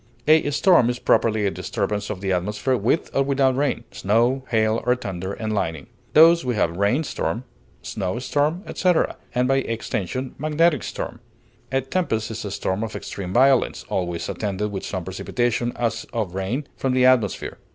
A storm is properly a disturbance of the atmosphere, with or without rain, snow, hail, or thunder and lightning. Thus we have rain storm, snow storm, etc., and by extension, magnetic storm. A tempest is a storm of extreme violence, always attended with some precipitation, as of rain, from the atmosphere.